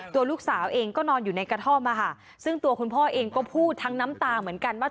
ตัวลูกสาวเองก็นอนอยู่ในกระท่อมซึ่งตัวคุณพ่อเองก็พูดทั้งน้ำตาเหมือนกันว่า